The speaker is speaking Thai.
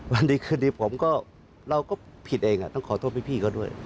วันดีคืนนี้ผมก็เราก็ผิดเองต้องขอโทษพี่เขาด้วย